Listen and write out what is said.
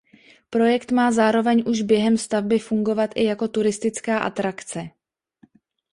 Projekt má zároveň už během stavby fungovat i jako turistická atrakce.